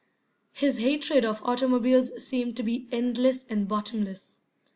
His hatred of automobiles seemed to be endless and bottomless.